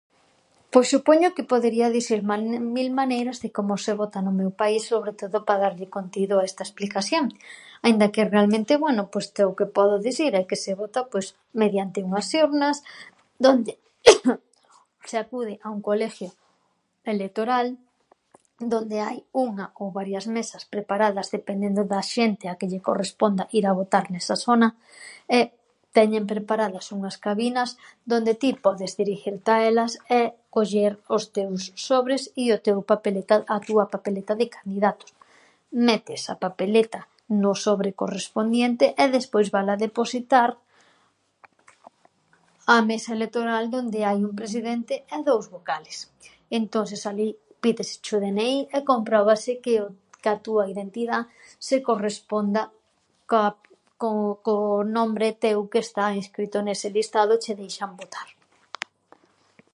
Pois supoño que podería disir man- mil maneiras de como se vota no meu país, sobre todo para darlle contigo a esta esplicasión, aínda que, realmente, bueno, pois que o que podo disir é que se vota mediante unhas urnas donde se acude a un colegio electoral, donde hai unha ou varias mesas preparadas, dependendo da xente a que lle corresponda ir a votar nesa sona, e teñen preparadas unhas cabinas donde ti podes dirigirte a elas e coller os teus sobres e o teu papeleta, a túa papeleta de candidatos. Metes a papeleta no sobre correspondiente e despois vala depositar á mesa electoral donde hai un presidente e dous vocales. Entonses alí pídeseche o de ene i e compróbase que o que a túa identidá se corresponda ca co co nombre teu que está inscrito nese listado e che deixan votar.